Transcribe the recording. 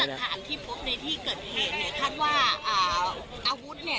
ฐานที่พบในที่เกิดเหตุเนี่ยคาดว่าอ่าอาวุธเนี่ย